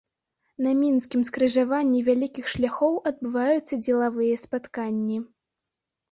На мінскім скрыжаванні вялікіх шляхоў адбываюцца дзелавыя спатканні.